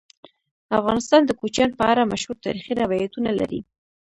افغانستان د کوچیان په اړه مشهور تاریخی روایتونه لري.